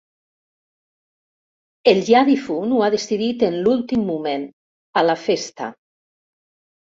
El ja difunt ho ha decidit en l'últim moment, a la festa.